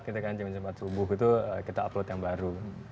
kita kan jam jumat subuh itu kita upload yang baru